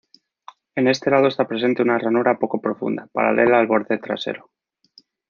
En este lado está presente una ranura poco profunda, paralela al borde trasero.